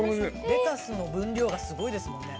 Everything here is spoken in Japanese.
レタスの分量がすごいですもんね。